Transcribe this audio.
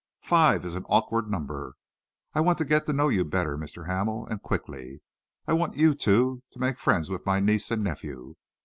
Five is an awkward number. I want to get to know you better, Mr. Hamel, and quickly. I want you, too, to make friends with my niece and nephew.